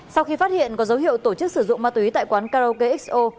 sau khi phát hiện có dấu hiệu tổ chức sử dụng ma túy tại quán karo kxo